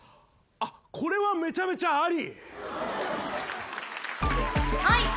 あっこれはめちゃめちゃあり。